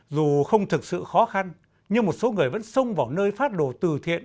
dù không thực sự khó khăn nhưng một số người vẫn xông vào nơi phát đồ từ thiện